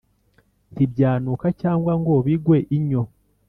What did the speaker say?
ntibyanuka cyangwa ngo bigwe inyo